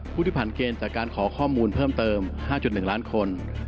ที่ผ่านเกณฑ์จากการขอข้อมูลเพิ่มเติม๕๑ล้านคน